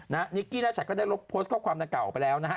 นิกกี้นัชัดก็ได้ลบโพสต์ข้อความดังเก่าไปแล้วนะฮะ